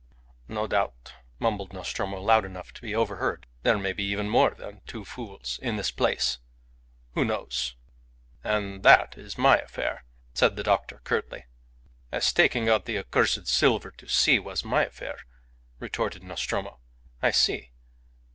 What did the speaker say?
"No doubt," mumbled Nostromo, loud enough to be overheard. "There may be even more than two fools in this place. Who knows?" "And that is my affair," said the doctor, curtly. "As taking out the accursed silver to sea was my affair," retorted Nostromo. "I see.